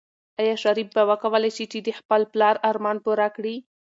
آیا شریف به وکولی شي چې د خپل پلار ارمان پوره کړي؟